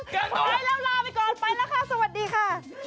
สุดท้ายแล้วลาไปก่อนไปแล้วค่ะสวัสดีค่ะ